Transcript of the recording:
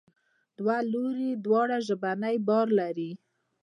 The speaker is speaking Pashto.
دوه لوري دواړه ژبنی بار لري.